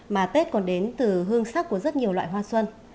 mà tết còn đến từ hương sắc của rất nhiều loại hoa xuân